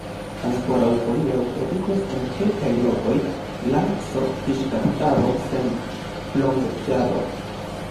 Ankoraŭ hodiaŭ, troviĝas en kelkaj lokoj lanco-fiŝkaptado sen plonĝado.